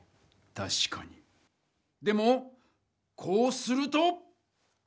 たしかにでもこうすると。